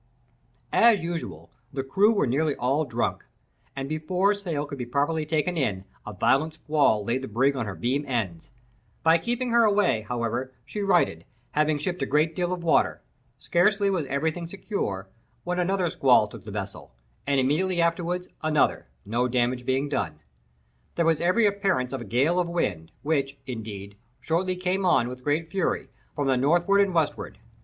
As usual, the crew were nearly all drunk; and, before sail could be properly taken in, a violent squall laid the brig on her beam ends. By keeping her away, however, she righted, having shipped a good deal of water. Scarcely was everything secure, when another squall took the vessel, and immediately afterward another—no damage being done. There was every appearance of a gale of wind, which, indeed, shortly came on, with great fury, from the northward and westward.